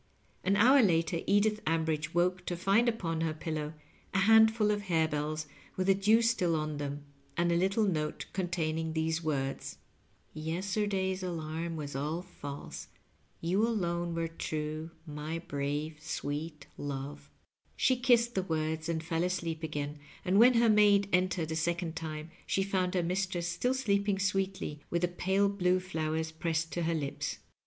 An hour later Edith Ambridge woke to find upon her pillow a handful of harebells with the dew still on them, and a little note containing these words :" Yesterday's alarm was all false. Yea alone were true, xnj brave sweet love." She kissed the words and fell asleep again, and when her maid entered a second time she found her mistress still sleeping sweetly, with the pale blue flowers pressed to her lips.